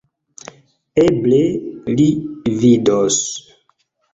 Eble li vidos...